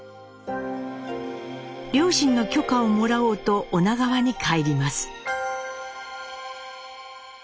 両親の許可をもらおうと女川に帰ります。